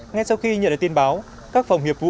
ngay sau khi nhận được tin báo các phòng nghiệp vụ